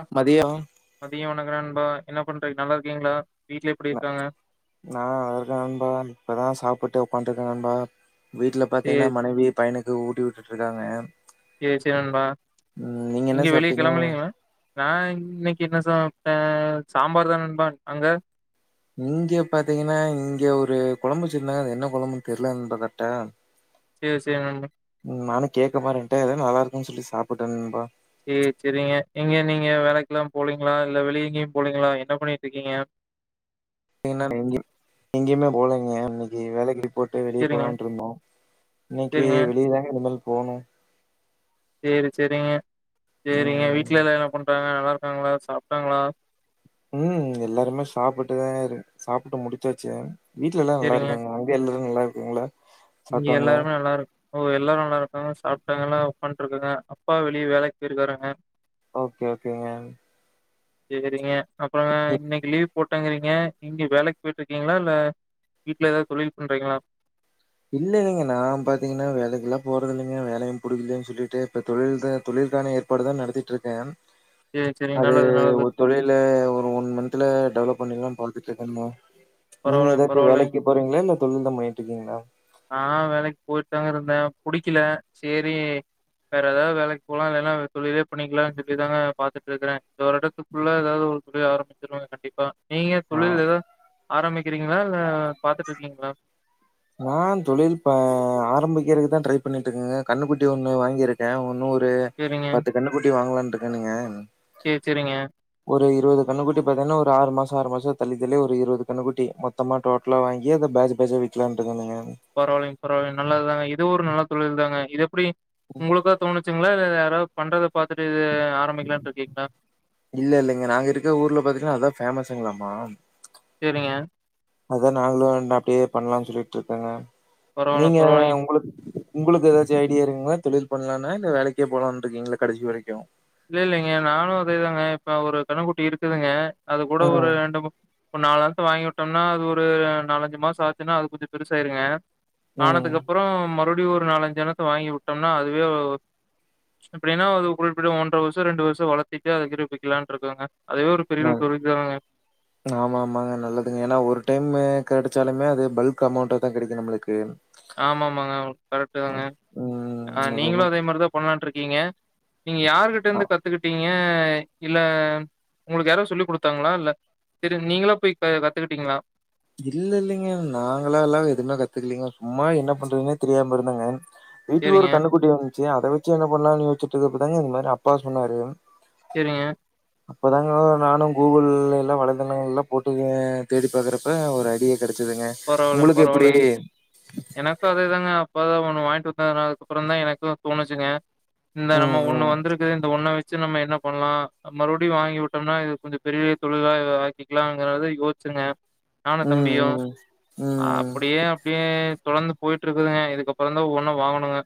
அ மதியோ மதிய வணக்க நண்பா என்ன பண்றீங் நல்லாருக்கீங்ளா வீட்ல எப்பிடிருக்காங்க நா அதாம் பா இப்பதா சாப்புட்டே ஒக்காந்துட்டுருக்கே நண்பா வீட்ல பாத்தீங்னா சேரி மனைவி பையனுக்கு ஊட்டி உட்டுட்ருக்காங்க சே சேர் நண்பா என்ன எங்க வெளிய சாப்ட்டீங்க கெளம்பலீங்களா நா இன்னக்கி என்ன சாப்ட்டே சாம்பார்தா நண்பா அங்க இங்க பாத்தீங்கனா இங்க ஒரு கொழம்பு வச்ருந்தாங்க அது என்ன கொழம்புன் தெர்ல நண்பா கரட்டா சேர் சேரி நண்பா ம் நானு கேக்க மறன்ட்டே எதோ நல்லாருக்குன் சொல்லி சாப்ட்டே நண்பா செ செரிங்க இங்க நீங்க வேலக்லா போலீங்ளா இல்ல வெளிய எங்கயு போலீங்ளா என்ன பண்ணிட்ருக்கீங்க இன்னக்கி நா எங்கியு எங்கயுமே போலீங்க இன்னக்கி வேலக்கி போட்டு வெளிய சேரிங்க போலான்ருந்தோ இன்னக்கி சேரிங்க வெளியதாங்க இனிமேல் போணு சேரி செரிங்க சேரிங்க ம் வீட்லலா என்ன பண்றாங்க நல்லாருக்காங்களா சாப்ட்டாங்களா ம் எல்லாருமே சாப்புட்டுதா இரு சாப்புட்டு முடிச்சாச்சு வீட்ல எல்லா சேரிங்க நல்லாருக்காங்க எல்லாரு நல்லாருக்குங்ளா இங்க எல்லாருமே நல்லாருக் ஒ எல்லாரு நல்லாருக்காங்க சாப்ட்டாங்கலா ஒக்கான்ட்ரூக்கங்க அப்பா வெளிய வேலக்கி பேய்ருக்காருங்க ஓகே ஓகேங்க கேக்குரிங்க அப்ப நா இன்னக்கி லீவ் போட்டங்கறீங்க இங்க வேலக் போய்ட்ருக்கீங்ளா இல்ல வீட்ல ஏதாவது தொழில் பண்றீங்ளா இல்லல்லீங்க நா பத்தீங்கன்னா வேலக்கில்லா போறதில்லீங்க வேலையு புடிக்கலேன் சொல்லிட்டு இப்ப தொழில தான் தொழில்தானே ஏப்பாடு தா நடத்திட்ருக்கே சரி, சரி. அது நல்லது, நல்லது. ஒரு தொழில்ல ஒரு ஒன் மந்த் இதுல டெவலப் பண்ணிர்லா பாத்துட்ருக்கேன் நா நீங்க பரவாயில்லங்க, எதாச்சு பரவாயில்லங்க. வேலக்கி போறீங்ளா இல்ல தொழில்தா பண்ணிட்ருக்கீங்ளா நா வேலைக் போயிட்தாங்க இருந்தே புடிக்கில சேரி வேற ஏதாது வேலக் போலா இல்லேனா தொழிலே பண்ணிக்லா [unintelligible] தாங்க பாத்துட்ருக்குறே இந்த ஒரு எடத்துக்குள்ள ஏதாது ஒரு தொழில ஆரம்பிச்சிருவங்க கண்டிப்பா நீங்க ஆ தொழில் எதா ஆரம்பிக்கிறீங்ளா இல்ல பாத்துட்டுருக்கீங்ளா நா தொழில் ப ஆரம்பிக்கிறதுக்கு தா ட்ரை பண்ணிட்ருக்கங்க கண்ணுக்குட்டி ஒண்ணு வாங்கியிருக்கே இன்னு ஒரு செரிங்க கன்னுக்குட்டி வாங்கலான்ருக்கனுங்க சேர் செரிங்க ஒரு இருவது கண்ணுக்குட்டி பாத்தீங்னா ஒரு ஆறு மாசொ ஆறு மாசொ தள்ளிதள்ளி ஒரு இருவது கன்னுகுட்டி மொத்தமா டோட் டலா வாங்கி அத பேஜ் பேஜா விக்கலான்ட்டு இருக்கனுங்க பரவாலங்க பரவாயில்லங்க நல்லதுதாங்க இது ஒரு நல்ல தொழில் தாங்க இது எப்டி ஒங்களுக்கா தோணுச்சுங்ளா இல்ல யாராது பண்றத பாத்துட்டு இது ஆரம்பிக்லானு இருக்கீங்ளா இல்ல இல்லிங்க நாங்க இருக்க ஊர்ல பாத்தீங்ன்னா அதா ஃபேமஸுங்களாமா சேரிங்க அதா நாங்களு அப்டியே பண்லானு சொல்லிட்டு இருக்கேங்க பரவால்ல நீங்க பரவால்லைங்க. ஒங்களுக் உங்களுக்கு ஏதாச்சு ஐடியா இருக்குங்ளா தொழில் பண்ணலான்னு இல்ல வேலக்கே போலான்ட்ருக்கீங்ளா கடைசி வரைக்கு இல்ல இல்லங்க நானூ அதேதாங்க இப்ப ஒரு கன்னுக்குட்டி இருக்குதுங்க அது கூட ஆ ஒரு ரெண்டு இப்ப நாலாத்த வாங்கி உட்டோனா அது ஒரு நாலஞ்சு மாசொ ஆச்சுன்னா அது கொஞ்சொ பெருசாயிருங்க ம் ஆனதுக்கு அப்றொ மறுபடியு ஒரு நாலஞ்சன்னோ வாங்கி உட்டோனா அதுவே எப்டினா அது குல் அப்ப ஒன்ற வருஷொ ரெண்டு வருஷொ வளத்திட்டு அத கிர விக்கலான்னுட்ருக்கங்க அதேவே ஒரு ஆ பெரிய தொழில் தாங்க ஆமா ஆமாங்க நல்லதுங்க ஏனா ஒரு டைமு கெடச்சாலுமே அது பல்க் அமௌண்ட தா கெடைக்கு நம்ளுக்கு ஆமா ஆமாங்க கரெக்ட்டு தாங்க ஆ ம் அது நீங்களு ஒன்னு அதே மாதிரிதா பண்ணலான்ட்டுருக்கீங்க நீங்க அ யாருகிட்டருந்து கத்துக்கிட்டீங் கே இல்ல ஒங்களுக்கு யாரோ சொல்லி குடுத்தாங்ளா இல்ல செரி நீங்களா போயீ க கத்துக்கிட்டீங்ளா இல்ல இல்லெங்க நாங்களாலா எதுவுமே கத்துக்லீங்க சும்மா என்ன பண்றதுன்னே தெரியாம இருந்தங்க வீட்டுக்கு சரிங்க, ஒரு கன்னுகுக்குட்டி இர்ந்துச்சு அத வச்ச என்ன பண்லானு யோிச்சுட்டுர்க்கப்பதாங்க இந்த மாரி அப்பா சொன்னாரு டெரியெ அப்போதாங்க நானு கூகுள் எல்லா வலைதளங்கள் எல்லா போட்டு தேடி பாக்கறப்ப ஒரு ஐடியா கிடச்சிதுங்க உங்களுக்கு எப்புடி எனக்கு அதேதாங்க அப்போதா ஒண்ணு வாங்கிட்டு வந்ததாரா அதுக்குப்பறொ தா எனக்கூ தோணுச்சுங்க இந்த நம்ம ம் ஒண்ணு ம் வந்திருக்குது இந்த ஒண்ண வச் வச்சு நம்ம என்ன பண்லா மறுபடியு வாங்கி விட்டோமுனா இத கொஞ்சொ பெரிய தொழிலா இதுவாக்கிக்கலாங்கறத யோஸ்ச்சுங்க நானூ ம் தம்பியூ ம் ம் அப்டியே அப்டியே தொடர்ந்து போயிட்டுருக்குதுங்க இதுக்கப்றதாஒவ்வொண்ணா வாங்ணுங்க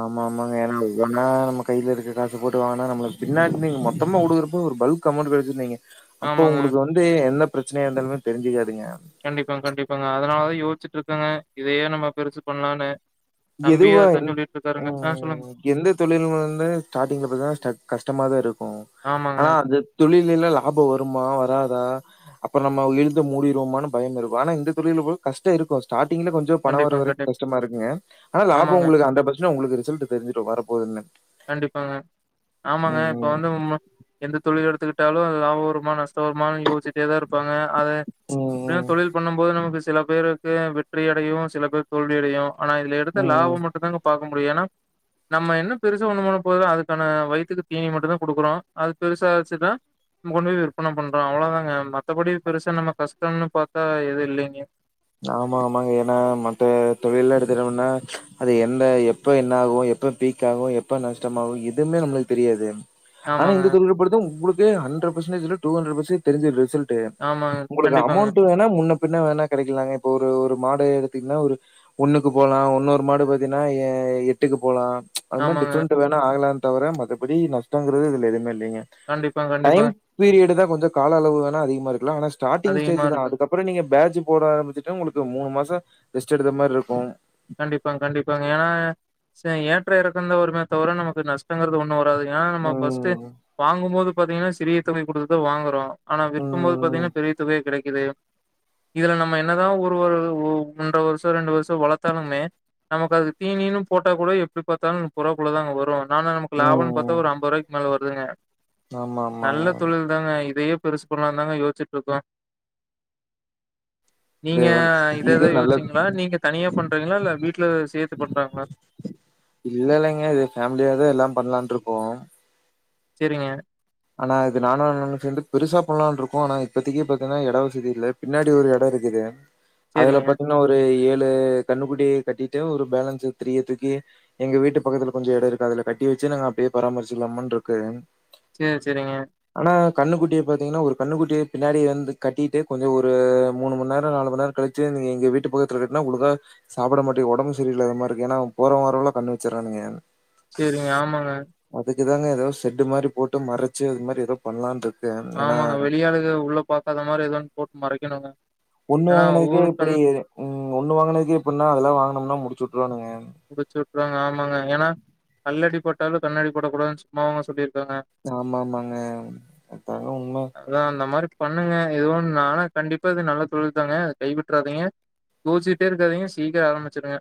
ஆமா ஆமாங்க ஏன்னா ஒவ்வொன்னா நம்ம கையில இருக்க காசு போட்டு வாங்கனா நம்ம பின்னாடி நீங்க மொத்தமா குடுக்கறப்ப ஒரு பல்க் கமொண்ட் கெடச்சிருந்தீங்க அப்போ ஆமாங்க. உங்களுக்கு வந்து எந்த பிரச்சனயா இருந்தாலுமே தெரிஞ்சுக்காதுங்க கண்டிப்பாங்க கண்டிப்பாங்க அதனாலதா யோசிச்சுட்டு இருக்கங்க இதயே நம்ம பெருசு பண்லான்னு எதுவாய்ல் சொல்லுங்க. ம் எந்த தொழிலு வந்து ஸ்டாடிங்ல பாத்தா ஸ்டக் கஷ்டமாதாஇருக்கூ ஆமாங்க. ஆனா அது தொழில்லெலா லாபொ வருமா வராதா அப்பநம்ம இழுத்து மூடிறுவோமானு பயமிருக்கு ஆனா இந்த தொழில கூட கஷ்டொ இருக்கு ஸ்டாடிங்ல கொஞ்சொ கொஞ்சொ பணொ வர கண்டிப்பாங்க, வரைக்கு கண்டிப்பா. கஷ்டமாருக்குங்க ஆனா லாபொ ஆமாங்க, ஒங்களுக்கு ஹன்டர்டு பசன்டேஜ் ஒங்களுக்கு ரிசல்ட் தெரிஞ்சிடு வரப்போதுனு கண்டிப்பாங்க ஆமாங்க இப்ப வந்து எந்த தொழில் எடுத்துக்கிட்டாலு லாப வருமா நஷ் டோ வருமானு யோசிட்டேதா இருப்பாங்க அதே ம் எப்பியு ம் தொழில் பண்ணு போது நமக்கு சில பேருக்கு வ வெற்றி அடையு சில பேர்க்கு தோல்வியடயு ஆனா இதுல எடுத்த லாப ம் மட்டு தாங்க பாக்க முடியு ஏனா நம்ம என்ன பெருசா ஒண்ணு பண்ணபோன போத அதுக்கான வயித்துக்கு தீனி மட்டு தா குடுக்குறோ அது பெருசா ஆச்சுனா நம கொண்டு போயி விற்பன பண்றோஅவ்ளோதாங்க மத்தபடி பெருசா நம்ம கஷ்டம்னு பாத்தா எது இல்லீங்க ஆமா ஆமாங்க ஏனா மத்த தொழில்ல எடுத்துட்டம்மனா அது என்ன எப் ப்ப என்ன ஆகு எப்ப பீக் ஆகு எப்ப நஷ்டமாகு எதுமே நம்ளுக்கு தெரியாது ஆனா ஆமாங்க, இந்த தொழில் பொறுத்த ஒங்களுக்கு ஹன்ட்ரடு பசன்டேஜ் இல டு ஹன்ட்ரடு பர்சேஜ் தெரிஞ்சுடு ரிசல்ட்டு ஆமாங்க. ஒங்களுக்கு கண்டிப்பாங்க. அமௌண்ட் வேணா முன்ன பின்ன வேணா கெடைக்கலாங்க இப்ப ஒரு மாடு எடுத்துங்ன்னா ஒரு ஒண்ணுக்கு போலா ஒன்னொரு மாடு பாத்தீன்னா எ எட்டுக்கு போலா அது மாரி ஆமாங்க. டிஃப்ரெண்ட் வேணா ஆகலான்னு தவிர மத்தபடி நஷ்டங்கிறது இதுல எதுவுமே இல்லேங்க கண்டிப்பா, கண்டிப்பா. டைம் பீரியடு தா கொஞ்சோ கால அளவு வோன அதிக இருக்கலா ஆன ஸ்டார்டிங் ஸ்டேஜ் அதிகமா தா இருக்கும். அதுகப்புறோ நீங்க பேஜு போட ஆரம்பிச்சுட்டு உங்களுக்கு மூணு மாசோ ரெஸ்ட் எடுக்ர மாரி இருக்கு கண்டிப்பாங்க கண்டிப்பாங்க ஏன்னா ஏற்ற இறக்கந்த ஒருமே தவிர நமக்கு நஷ்டங்கிறது ஒண்ணு வராது ஏன்னா நம்ம பஸ்டே ம். வாங்கும்போது பாத்தீங்கனா சிறிய தொகை கொடுத்து தா வாங்குறோ ஆனா ம். விற்கும்போது ம். பாத்தீங்கனா பெரிய தொகையே கெடைக்குது இதுல நம்ம என்னதா ஒரு வரு ஒரு ஒன்ர வருஷோ ரெண்டு வருஷோ வள த்தாலுமே நமக்கு அது தீனின்னு போட்ட கூட எப்டி பாத்தாலு முப்போருவா குள்ளதாங்க வரு ஆனா நமக்கு லாபம்னு ம். பாத்தா ஒரு அம்போருவாக்கி மேல வருதுங்க ஆமா, ஆமாங்க. நல்ல தொழில் தாங்க இதயே பெருசு பண்ணலா தாங்க யோச்சிட்டுருக்கோ நீங்க இது இதத நல்ல யோச்சிங்களா நீங்க தனியா பண்றீங்களா இல்ல வீட்ல சேத்து பண்றாங்களா இல்லல்லங்க இது ஃபேமிலியாதா எல்லா பண்ணலான்ருக்கோ சேரிங்க ஆனா இது நானு அண்ணனு சேந்து பெருசா பண்ணலாம்னு இருக்கோ ஆனா இப்பத்திக்கே பாத்தீங்கன்னா இட வசதி இல்ல பின்னாடி ஒரு இடோருக்குது அதுல சரிங்க. பாத்தீங்கன்னா ஒரு ஏழு கன்னுக்குட்டிய கட்டிட்டு ஒரு பேலன்ஸ் த்ரீய தூக்கி எங்க வீட்டு பக்கத்துல கொஞ்ச இடோருக்கு அதுல கட்டி வச்சு நாங்க அப்டியே பராமரிச்சுலாமானுருக்கு சேரி சேரிங்க ஆனா கண்ணுக்குட்டிய பாத்தீங்கன்னா ஒரு கண்ணு குட்டிய பின்னாடி வந்து கட்டிட்டு கொஞ்சோ ஒரு மூணுமண் நேரோ நாலு மண் நேரோ கழிச்சி [unintelligible] நீங்க எங்க வீட்டு பக்கத்துல கட்னா உங்ளுக்கா சாப்புட மாட்டேங் உடம்பு சரியில்லாதத மாதிரிருக்கு ஏன்னா போறவ வாரவேன்லா கண்ணு வச்சறானுங்க செரிங்க ஆமாங்க அதுக்கு தாங்க எதோ செட்டு மாரி போட்டு மறச்சு இது மாரி எதோ பண்லான்ட்ருக்கே எ ஏனா [unintelligible] உள்ள பாக்காத மாதிரி ஏதோன்னு போட்டு மறைக்கணுங்க ஒண்ணு ஏன்னா வாங்குனதுக்கே ஊரு இப்டி கண் ம் ஒண்ணு வாங்கினதுக்கே இப்டின்னா அதெல்லா வாங்கனோம்னா முடிச்சு வுட்ருனுங்க முடிச்சு வுட்ருவாங்க ஆமாங்க ஏன்னா கல்லடி பட்டாலு கண்ணடி போடக்கூடாதுனு சும்மாவாங்க சொல்லிருக்காங்க ஆமா ஆமாங்க அதாங்க உண்ம அதா அந்த மாரி பண்ணுங்க எதுவு நானு கண்டிப்பா இது நல்ல தொழில் தாங்க கைவிட்றாதீங்க பூசிட்டேருக்காதீங்க சீக்கிரோ ஆரம்பிச்சுடுங்க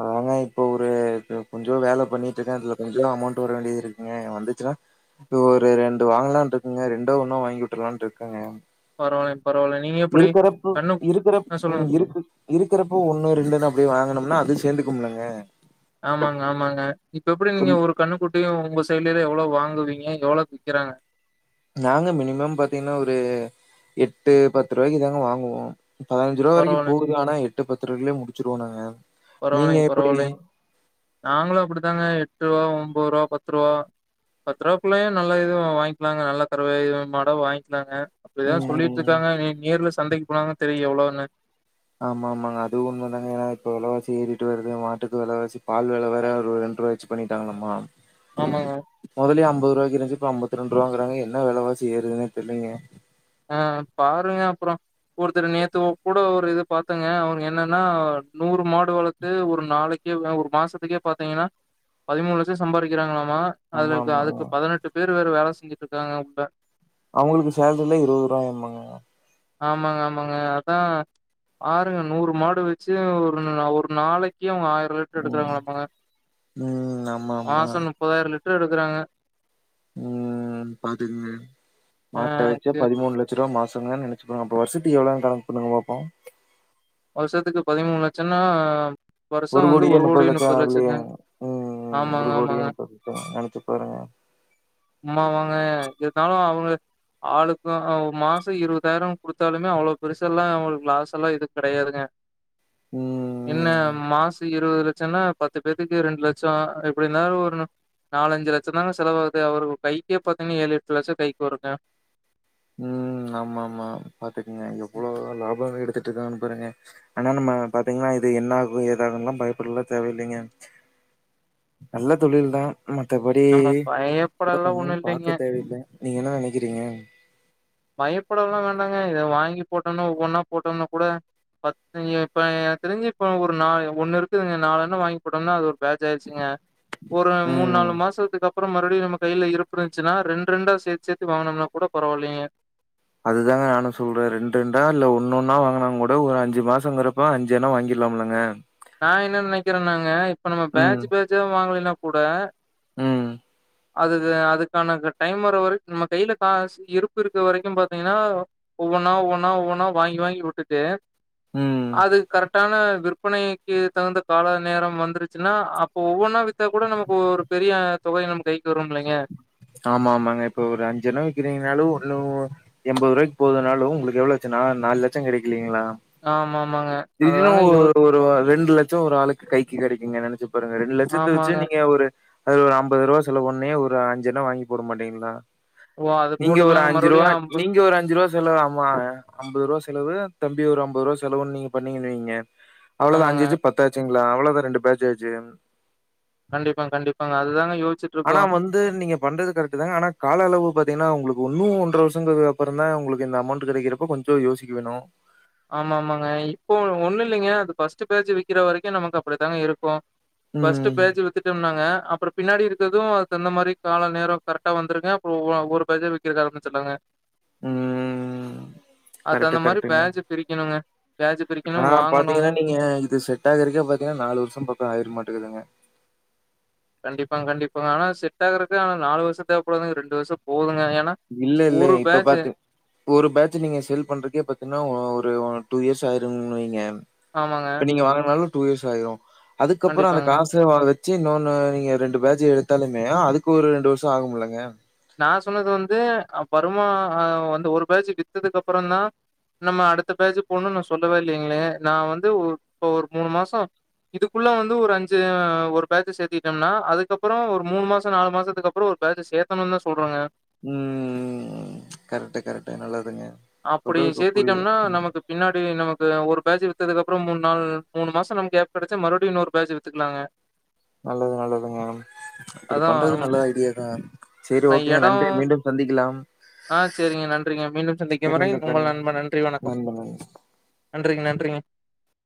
அதாங்க இப்போ ஒரு [unintelligible] கொஞ்சோ வேல பண்ணிட்டுருக்கே அதுல கொஞ்சோ அமௌண்ட் வர வேண்டிது இருக்குங்க வந்துச்சுனா ஒரு ரெண்டு வாங்கலான்ட்ருக்கங்க ரெண்டோ ஒண்ணு வாங்கி உட்டர்லான்ட்ருக்கங்க பரவால பரவால நீங்க எப்படி இருக்குறப்பு கண்ணு இருக்குறப் ஆ ம் சொல்லுங்க. இருக்கு இருக்குறப்போ ஒண்ணு ரெண்டுனு அப்டி வாங்குனம்னா அது சேந்துக்கமுலுங்க ஆமாங்க ஆமாங்க இப்ப எப்பிடி நீங்க ஒரு கன்னுக்குட்டியு உங்க சைட்ல எவ்ளோவு வாங்குவீங்க எவ்ளோவுக்கு விறக்கிறாங்க நாங்க மினிமம் பாத்தீங்ன்னா ஒரு எட்டு பத்துருவாய்க்கு தாங்க வாங்குவோ பதின்சு ரூபா வரைக்கு பரவால்லைங்க, போகுது ஆா எட்டு பத்துரூபாலயே முடிச்சிருவோ நாங்க நீங்க பரவால்லைங் எப்படி பரவால்லைங் நாங்களு அப்படித்தாங்க எட்டுருவா உம்போர்வா பத்ருவா பத்து ரூபாக்குள்ளையு நல்லா இது வாங்கிக்கலாங்க நல்லா கருவே மாடா வாங்கிக்கலாங்க அப்டிதா ம் ம் சொல்லிட்ருக்காங்க இன்னிக் நேர்ல சந்தைக்கு போனாதா தெரியு எவ்ளோனு ஆமா ஆமாங்க அதுவு உண்மதாங்க ஏனா இப்ப வெலவாசி ஏறிட்டு வருது மாட்டுக்கு வெலவாசி பால் வெல வேற ஒரு ரெண்ருபாய்ச்சு பண்ணிட்டாங்களாமா ஆமாங்க மொதலியு அம்பதுருவாய்க்கு இருந்ச்சு இப்ப அம்பத்திரெண்ருபாங்குறாங்க என்ன வெலவாசி ஏறுதுனே தெர்லைங்க ஆ பாருங்க அப்புறோ ஒருத்தர் நேத்து உ கூட ஒரு இது பாத்தேங்க அவுங்க என்னன்னா நூறு மாடு வளத் ஒரு நாளைக்கே இல்ல ஒரு மாசத்துக்கே பாத்தீங்கன்னா பதிமூணு லட்சோ சம்பாதிக்கிறாங்களாமா ஆமா அதுல ஆமாங்க அதுக்கு பதினெட்டு பேர் வேற வேல செஞ்சுட்ருக்காங்க உள்ள அவங்களுக்கு சேலரில்லா இருபது ரூபாய்மாங்க ஆமாங்க ஆமாங்க அதா பாருங்க நூறு மாடு வச்சி ஒரு ஒரு நாளைக்கு அவுங்க ஆயிரோ லிட் டர் ம் எடுக்கறாங்களாங்க ம் ஆமா ஆமா மாசோ முப்பதாயிரோ லிட்டர் எடுக்குறாங்க உம் பாத்துக்கங்க ஆ மாட்ட வச்சே இது பதிமூண் லட் சோ ரூவா மாசங்க நெனச்சிக்கோங்க அப்போ வருஷத்துக்கு எவ்ளவு கணக்கு பண்ணுங்க பாப்போ வருஷத்துக்கு பதிமூணு லட்சோனா ஒரு கோடியே முப்பது லட்சோ இல்லையே ம் ம் ஆமாங்க, ஒரு கோடியே ஆமாங்க. முப்பது லட்சோ நெனச்சி பாருங்க சும்மாவாங்க இருந்தாலு அவுங்க ஆளுக்கு மாசோ இருவதாயிரோ குடுத்தாலுமே அவ்ளோ பெருசால்லா அவுங்களுக்கு லாசஸ் எல்லா இருக் கிடையாதுங்க என்ன ம் மாசோ இருவது லட்சோனா பத்து பேத்துக்கு ரெண்டு லட்சோ எப்டினாலு ஒரு நாலஞ்சு லட்சோ தாங்க செலவாகுது அவரு கைக்கே பாத்தீங்கன்னா ஏழு எட்டு லட்சோ கைக்கு வரும்ங்க ம் ஆமா ஆமா பாத்துக்கங்க ம். எவ்ளோ லாபோ எடுத்துட்டுருக்காங்கனு பாருங்க ஆனா நம்ம பாத்தீங்கன்னா இது என்னாகும் ஏதாகும்லா பயப்படலா தேவ இல்லைங்க நல்ல தொழில் தா மத்தபடி நம்ம பயப்படலாம் ஒன்னு ஒண்ணும் இல்லைங்க. பாக்க தேவயில்ல நீங்க என்ன நெனைக்குறீங்க பயப்படல்லா வேண்டாங்க இத வாங்கி போட்டோனா ஒவ்வொன்னா போட்டோம்னா கூட பத்து இப்ப எனக்கு தெரிஞ்சு இப்ப ஒரு நா ஒண்ணுருக்கு இதுங்க நால்லோனு வாங்கி போட்டோம்னா அது ஒரு [unintelligible] ஆயிடுச்சுங்க ஒரு மூணு ம் நாலு மாசத்துக்கப் அப்புறோ மறுபடி நம்ம கைல இருப்பு இருந்துச்சினா ரெண்ரெண்டா சேத்து சேத்தி வாங்கனும்னா கூட பரவாயில்லைங்க அதுதாங்க நானு சொல்றே ரெண்டு ரெண்டா இல்ல ஒன்னொன்னா வாங்குனாங் கூட ஒரு அஞ்சு மாசங்கிறப்ப அஞ்சு தென வாங்கிற்லாம்லங்க நா என்ன நெனைக்கிறேனாங்க இப்ப நம்ம ம் பேஜு பேஜ வாங்கலைனா கூட ம் அதுதே அதுக்கான க டைம் வர வரைக்கு நம்ம கைல காசு இருப்பு இருக்க வரைக்கு பாத்தீங்கனா ஒவ்வொன்னா ஒவ்வொன்னா ஒவ்வொன்னா வாங்கி வாங்கி விட்டுட்டு ம் அது கரெக்டான விற்பனை க்கு தகுந்த கால நேரம் வந்துருச்சுனா அப்ப ஒவ்வொன்னா வித்தா கூட நமக்கு ஒரு பெரிய தொகை நம்ம கைக்கு வருமில்லைங்க ஆமா ஆமாங்க இப்ப ஒரு அஞ்சு எண்ண விக்கிறீங்கனாலு ஒன்னு எம்போதுரூவாய்க்கு போதுனாலு உங்களுக்கு எவ்ளோ ஆச்சு நா நாலு லெட்ச கெடைக்கு இல்லைங்களா ஆமாமாங்க. இதுவே அதுதாங்க ஒரு யோ ஒரு ரெண்டு லெட்ச் ச்ச ஒரு ஆளுக்கு கைக்கு கெடைக்குங்க நெனச்சு பாருங்க ரெண்டு லெட்சத்த வெச்சு ஆமாங்க. நீங்க ஒரு அதுல ஒரு அம்பது ரூபா செலவு பண்ணி ஒரு அஞ்சு எண்ண வாங்கி போட மாட்டீங்களா ஓ! அது நீங்க ஒரு போட்டுக்கலாங்க அஞ்சு ரூவா மறுபடியும் அம்ப நீங்க ஒரு அஞ்சு ரூவா செலவு ஆமா அம்பது ரூவா செலவு தம்பி ஒரு அம்பது ரூவா செலவுன் நீங்க பண்ணீங்கன்னு வைங்க அவளோதா ஆமாங்க. அஞ்சு அஞ்சு பத்தாச்சுங்ளா அவளதா ரெண்டு பேட்ச்சாச்சு கண்டிப்பா கண்டிப்பாங்க அதுதாங்க யோச்சுட்ருக்கோ து நீங்க பண்றது கரெக்டு தாங்க ஆனா கால அளவு பாத்தீங்கனா உங்களுக்கு ஒன்னு ஒன்ற வருஷங்கிறதுக்கு அப்பறந்தா உங்களுக்கு இந்த அமௌண்ட்டு கெடைக்கிறப்ப கொஞ் ஞ்ச யோசிக்க வேணு ஆமா ஆமாங்க இப்போ ஒன்னு இல்லைங்க அது ஃபஸ்ட்டு பேஜு விக்கிற வரைக்கு நமக்கு அப்டித்தாங்க இருக்கு ஃபஸ்ட்டு ம். பேஜு வித்து ட்டம்னாங்க அப்பற பின்னாடி இருக்கது அதுக்கு தகுந்த மாரி கால நேர கரெக்டா வந்துருங்க அப்றோ ஒவொன்னா ஒவ்வொரு பேஜா விக்கறக்கு ஆரம்மிச்சுற்லாங்க ம். அதுக்கு கரெக்ட், தகுந்த மாரி கரெக்ட்ங்க. பேஜு பிரிக்கணுங்க பேஜு பிரிக்கணு ஆனா வாங்கணு பார்த்தீங்கன்னா, நீங்க இது செட் ஆகுறக்கே பாத்தீங்கனா நாலு வர்ஷ பக்க ஆயிரு மாட்டுக்குதுங்க கண்டிப்பாங் கண்டிப்பாங்க ஆனா செட்டாகுறக்கே ஆனா நாலு வர்ஷ தேவப்படாதுங்க ரெண்டு வர்ஷ போதுங்க ஏனா இல்ல இல்லைங்க இப்ப பாத்து ஒரு பேட்ச்சு நீங்க சேல் பண்றக்கே பாத்தீங்னா ஒ ஒரு ஒ டூ இயர்ஸ் ஆயிரும்னு வைங்க ஆமாங்க இப்ப நீங்க வாங்குனாலு டூ இயர்ஸ் ஆயிரு அதுக்கப்பற அந்த கண்டிப்பாங்க. காச ச வ வெச்சு இன்னொன்னு நீங்க ரெண்டு பேஜு எடுத்தாலுமே அதுக்கு ஒரு ரெண்டு வர்ஷ ஆகுமுலங்க நா சொன்னது வந்து அ வருமா அ அந்த ஒரு பேஜு வித்ததுக்கப்பறந்தா நம்ம அடுத்த பேஜு போணுன் நா சொல்லவே இல்லைங்ளே நா வந்து ஒரு இப்ப ஒரு மூணு மாச இதுக்குள்ள வந்து ஒரு அஞ்சு அ ஒரு பேச்ச சேத்துக்கிட்டம்னா அதுக்கப்பற ஒரு மூணு மாச நாலு மாசத்துக்கப் அப்பற ஒரு பேஜ்ஜ சேத்தணுன் தா சொல்றங்க ம் கரெக்ட்டு கரெக்ட்டு நல்லதுங்க அப்டி சொல்றதுக்கு புரியுது சேத்திட்டம்னா ம் நமக்கு பின்னாடி நமக்கு ஒரு பேஜ் வித்ததுக்கப்பற மூண் நாள் மூணு மாச நமக்கு கேப் கெடச்சா மறுபடியு இன்னொரு பேஜு வித்துக்கலாங்க [inaudible] நல்லது நல்லதுங்க அப்டி அதான் பண்றது நல்ல ஐடியாதா சேரி நான் ஓகேங்க இடம் நன்றி மீண்டும் சந்திக்கலாம் ஆ சேரிங்க நன்றிங்க மீண்டும் சந்திக்கும் வரை மீண்டும் உங்கள் கண் நண்பன் நன்றி வணக்கம் நண்பன் நன்றிங்க நன்றிங்க